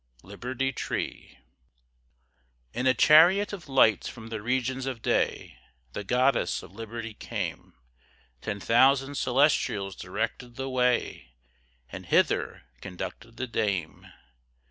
LIBERTY TREE In a chariot of light from the regions of day, The Goddess of Liberty came; Ten thousand celestials directed the way And hither conducted the dame.